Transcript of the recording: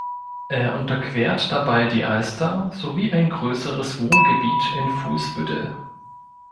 Er unterquert dabei die Alster sowie ein größeres Wohngebiet in Fuhlsbüttel.